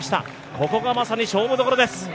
ここがまさに勝負どころです。